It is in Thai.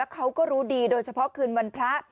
เขาก็รู้ดีโดยเฉพาะคืนวันพระ